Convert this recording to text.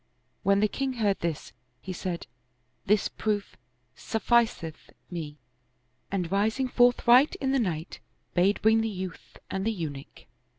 When the king heard this, he said, " This proof sufficeth me," and rising forthright in the night, bade bring the youth and the Eunuch.